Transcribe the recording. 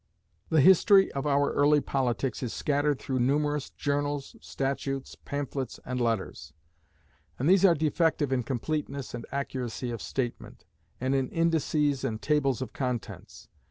The history of our earlier politics is scattered through numerous journals, statutes, pamphlets, and letters; and these are defective in completeness and accuracy of statement, and in indexes and tables of contents.